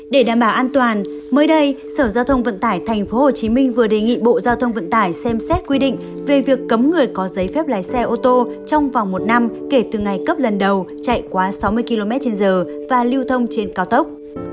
để đảm bảo an toàn mới đây sở giao thông vận tải tp hcm vừa đề nghị bộ giao thông vận tải xem xét quy định về việc cấm người có giấy phép lái xe ô tô trong vòng một năm kể từ ngày cấp lần đầu chạy quá sáu mươi km trên giờ và lưu thông trên cao tốc